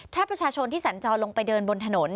ถ้าประชาชนที่สัญจรลงไปเดินบนถนน